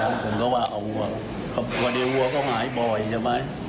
อย่างเขาบอกว่าเขาอยู่ตรงนั้นคุณก็ว่าเอาวัวพอดีวัวเขาหายบ่อยใช่ไหม